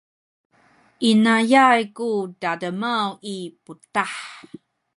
inayay ku tademaw i putah.